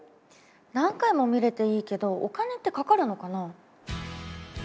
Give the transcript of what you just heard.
何回も見れていいけどお金ってかかるのかな？